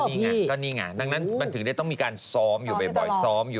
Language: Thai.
ตอนนี้ไงตอนนี้ไงดังนั้นมันถึงจะต้องมีการซ้อมอยู่บ่อย